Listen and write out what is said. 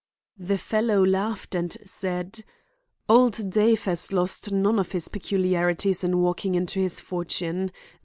The fellow laughed and said: "Old Dave has lost none of his peculiarities in walking into his fortune.